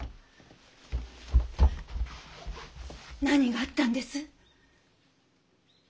何があったんです？